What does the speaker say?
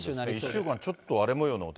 １週間、ちょっと荒れもようなお